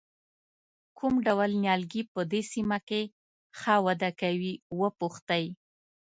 کوم ډول نیالګي په دې سیمه کې ښه وده کوي وپوښتئ.